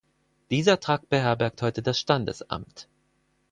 Dieser Trakt beherbergt heute das Standesamt.